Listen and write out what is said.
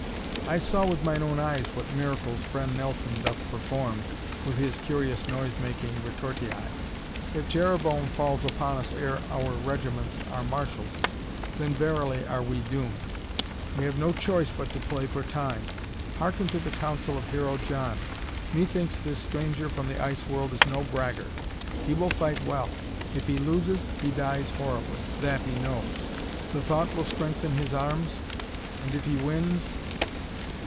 "I saw with mine own eyes what miracles Friend Nelson doth perform with his curious noise making retortii. If Jereboam falls upon us ere our regiments are marshaled, then, verily, are we doomed. We have no choice but to play for time. Harken to the counsel of Hero John! Methinks this stranger from the Ice World is no braggart. He will fight well. If he loses he dies horribly that he knows. The thought will strengthen his arms, and if he wins